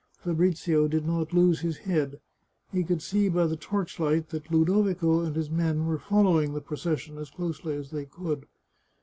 Fabrizio did not lose his head. He could see by the torch light that Ludovico and his men were following the procession as closely as they could.